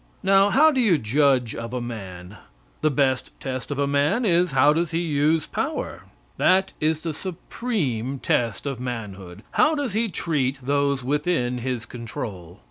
Now, how do you judge of a man? The best test of a man is, how does he use power? That is the supreme test of manhood. How does he treat those within his control?